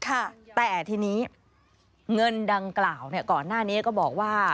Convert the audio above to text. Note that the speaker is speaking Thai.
แต่ทีนี้เงินดังกล่าวเนี่ยก่อนหน้านี้ก็บอกว่า